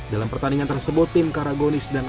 dari empat pertandingan yang digelar